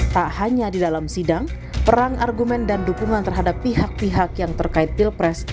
tak hanya di dalam sidang perang argumen dan dukungan terhadap pihak pihak yang terkait pilpres